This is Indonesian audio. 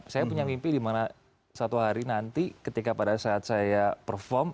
saya punya mimpi dimana satu hari nanti ketika pada saat saya perform